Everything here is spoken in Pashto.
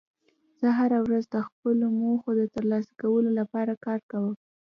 زه هره ورځ د خپلو موخو د ترلاسه کولو لپاره کار کوم